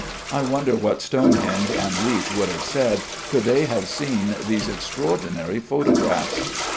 I wonder what Stonehenge and Leech would have said, could they have seen these extraordinary photographs.